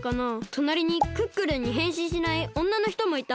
となりにクックルンにへんしんしないおんなのひともいた。